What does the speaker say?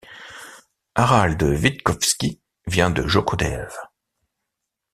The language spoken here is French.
Harald Wittkowski vient de Joco Dev.